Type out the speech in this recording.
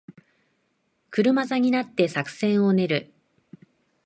車座になって作戦を練る